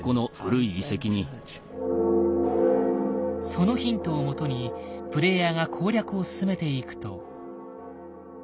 そのヒントをもとにプレイヤーが攻略を進めていくと。